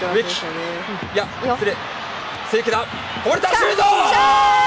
シュート！